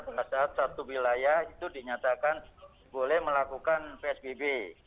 pada saat satu wilayah itu dinyatakan boleh melakukan psbb